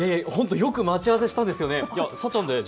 よく待ち合わせしたんです。